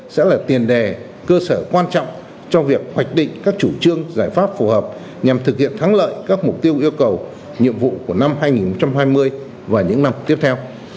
sẽ là tiền đề cơ sở quan trọng cho việc hoạch định các chủ trương giải pháp phù hợp nhằm thực hiện thắng lợi các mục tiêu yêu cầu nhiệm vụ của năm hai nghìn hai mươi và những năm tiếp theo